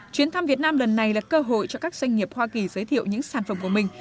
chuyến thăm việt nam lần này là cơ hội cho các doanh nghiệp hoa kỳ giới thiệu những sản phẩm của mình